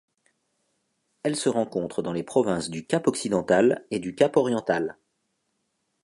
Elle se rencontre dans les provinces du Cap-Occidental et du Cap-Oriental.